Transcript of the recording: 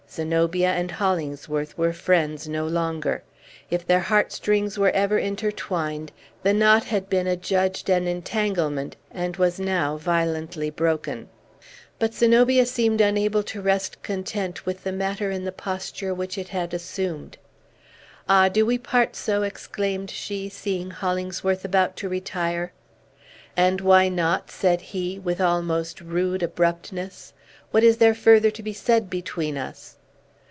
Zenobia and Hollingsworth were friends no longer. If their heartstrings were ever intertwined, the knot had been adjudged an entanglement, and was now violently broken. But Zenobia seemed unable to rest content with the matter in the posture which it had assumed. "Ah! do we part so?" exclaimed she, seeing Hollingsworth about to retire. "And why not?" said he, with almost rude abruptness. "What is there further to be said between us?"